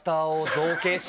造形。